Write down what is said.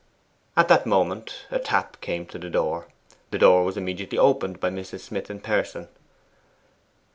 At that moment a tap came to the door. The door was immediately opened by Mrs. Smith in person.